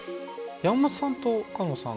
山本さんと岡野さん